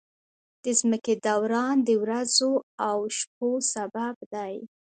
د ځمکې دوران د ورځو او شپو سبب دی.